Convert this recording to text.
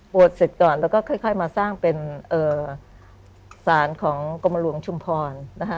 เสร็จก่อนแล้วก็ค่อยมาสร้างเป็นสารของกรมหลวงชุมพรนะคะ